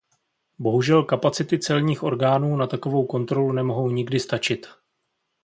Bohužel kapacity celních orgánů na takovou kontrolu nemohou nikdy stačit.